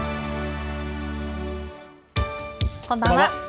こんばんは。